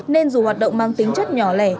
nên dù hoạt động mang tính chất nhỏ lẻ